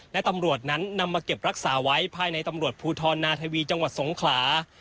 และตำรวจนั้นนำมาเก็บรักษาไว้ภายในตำรวจภูทรนาทวีจังหวัดสงขลา